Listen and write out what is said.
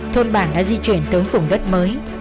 thôn bản đã di chuyển tới vùng đất mới